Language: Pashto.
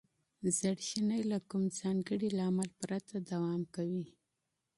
اضطراب له کوم ځانګړي لامل پرته دوام کوي.